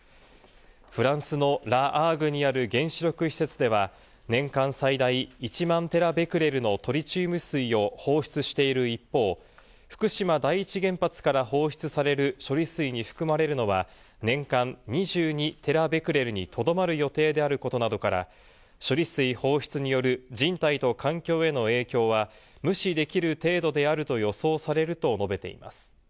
フランスのラ・アーグにある原子力施設では、年間最大１万テラベクレルのトリチウム水を放出している一方、福島第一原発から放出される処理水に含まれるのは年間２２テラベクレルにとどまる予定であることなどから、処理水放出による人体と環境への影響は無視できる程度であると予想されると述べています。